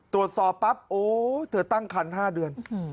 ตรวจสอบปั๊บโอ๊ยเธอตั้งคัน๕เดือน